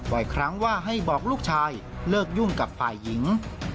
บ่อยครั้งว่าให้บอกลูกชายเลิกยุ่งกับฝ่ายหญิง